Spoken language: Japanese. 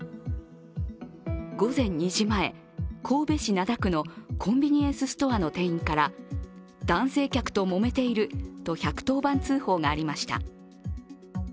午前２時前、神戸市灘区のコンビニエンスストアの店員から男性客ともめていると１１０番通報がありました。